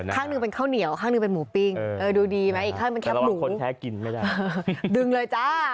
ข้างหนึ่งเป็นข้าวเหนี่ยวข้างหนึ่งเป็นหมูปิ้งดูดีแต่ระวังคนแท้กินไม่ได้